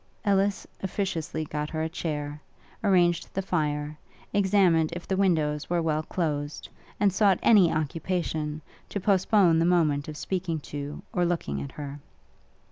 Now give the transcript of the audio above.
Ellis officiously got her a chair; arranged the fire; examined if the windows were well closed; and sought any occupation, to postpone the moment of speaking to, or looking at her.